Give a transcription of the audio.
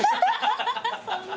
そんな。